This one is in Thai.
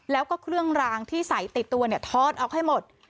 แล้วก็เครื่องรางที่ใส่ติดตัวเนี่ยทอดออกให้หมด